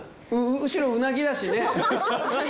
後ろうなぎだしね。